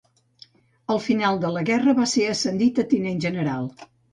Al final de la guerra va ser ascendit a tinent general.